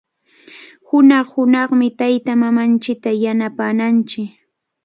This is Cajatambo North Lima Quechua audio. Hunaq-hunaqmi taytamamanchikta yanapananchik.